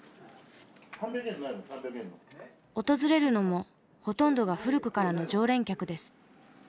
訪れるのもほとんどが古くからの常連客です。